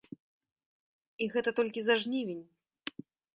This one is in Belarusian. І гэта толькі за жнівень.